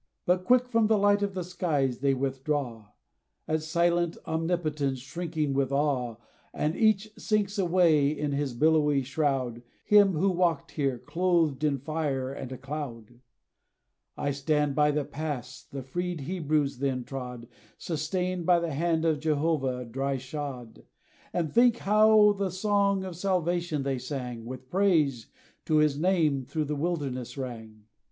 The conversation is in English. But quick from the light of the skies they withdraw, At silent Omnipotence shrinking with awe; And each sinks away in his billowy shroud, From him who walked here, clothed in fire and a cloud. I stand by the pass, the freed Hebrews then trod, Sustained by the hand of Jehovah, dry shod; And think how the song of salvation, they sang, With praise to his name, through the wilderness rang.